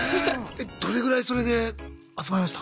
どれぐらいそれで集まりました？